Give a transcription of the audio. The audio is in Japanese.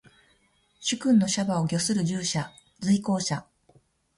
主君の車馬を御する従者。随行者。